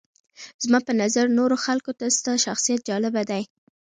زما په نظر نورو خلکو ته ستا شخصیت جالبه دی.